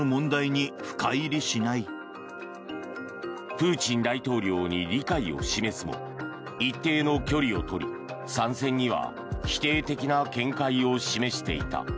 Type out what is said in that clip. プーチン大統領に理解を示すも一定の距離をとり参戦には否定的な見解を示していた。